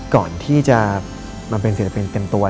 ก่อนที่จะมาเป็นศิลปินเต็มตัว